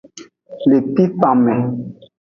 Le pipan me.